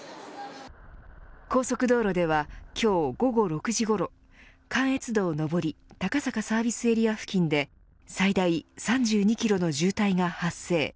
高速道路では今日午後６時ごろ関越道上り高坂サービスエリア付近で最大３２ｋｍの渋滞が発生。